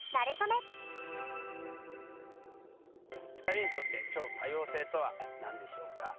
２人にとって超多様性とは何でしょうか？